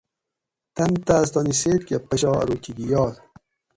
تن تاۤس تانی سیت کہ پشا ارو کھیکی یات